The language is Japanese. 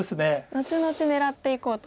後々狙っていこうと。